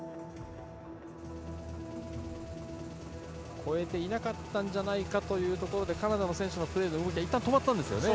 越えていなかったんじゃないかというところでカナダの選手のプレーの動きがいったん止まったんですね。